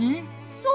そう。